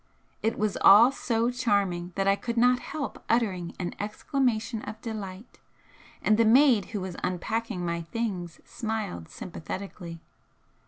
It was all so charming that I could not help uttering an exclamation of delight, and the maid who was unpacking my things smiled sympathetically.